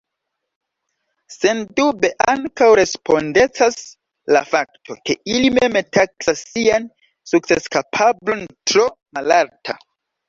Sendube ankaŭ respondecas la fakto, ke ili mem taksas sian sukceskapablon tro malalta.